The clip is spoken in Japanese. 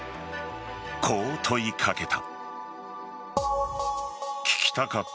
こう問いかけた。